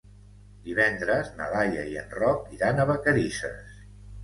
Divendres na Laia i en Roc iran a Vacarisses.